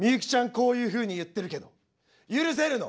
こういうふうに言ってるけど許せるの？